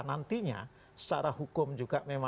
nantinya secara hukum juga